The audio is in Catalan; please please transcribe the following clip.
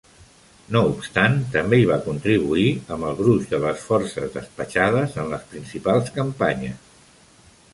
No obstant, també hi va contribuir amb el gruix de les forces despatxades en les principals campanyes.